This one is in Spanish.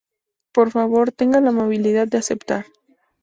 Por favor, tenga la amabilidad de aceptar".